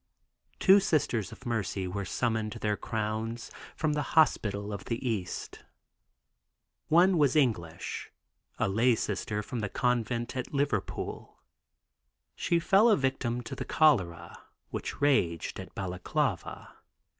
Two Sisters of Mercy were summoned to their crowns from the hospitals of the East. One was English, a lay Sister from the convent at Liverpool. She fell a victim to the cholera which raged at Balaklava.